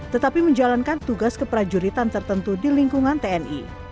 tetapi menjalankan tugas keprajuritan tertentu di lingkungan tni